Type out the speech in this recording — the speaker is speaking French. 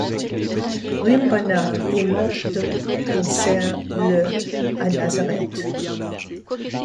Rim Banna est morte d'un cancer le à Nazareth.